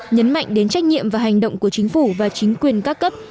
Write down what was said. nhấn mạnh đến trách nhiệm và hành động của chính phủ và chính quyền các cấp